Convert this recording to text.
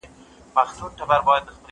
زه مخکي چپنه پاک کړې وه